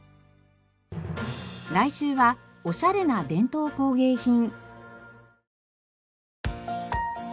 来週はおしゃれな伝統工芸品。